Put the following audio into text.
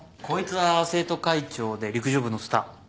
こいつは生徒会長で陸上部のスター。